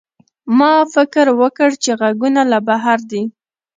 ما فکر وکړ چې غږونه له بهر دي.